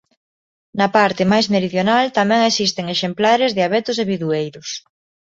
Na parte máis meridional tamén existen exemplares de abetos e bidueiros.